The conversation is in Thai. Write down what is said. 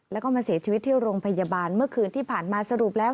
แล้วก็มาเสียชีวิตที่โรงพยาบาลเมื่อคืนที่ผ่านมาสรุปแล้ว